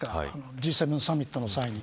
Ｇ７サミットの際に。